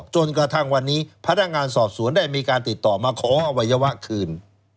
จนกระทั่งวันนี้พนักงานสอบสวนได้มีการติดต่อมาขออวัยวะคืน